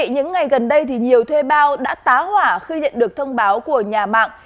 những ngày gần đây nhiều thuê bao đã tá hỏa khi nhận được thông báo của nhà mạng